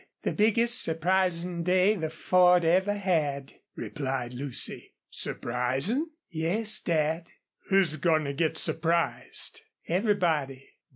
The biggest SURPRISING day the Ford ever had," replied Lucy. "Surprisin'?" "Yes, Dad." "Who's goin' to get surprised?" "Everybody."